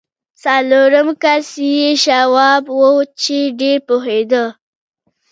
څلورم کس یې شواب و چې ډېر پوهېده